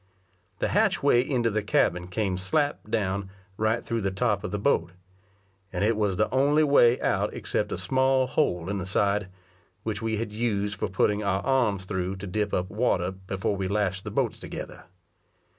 The hatchway into the cabin came slap down, right through the top of the boat; and it was the only way out except a small hole in the side, which we had used for putting our arms through to dip up water before we lashed the boats together.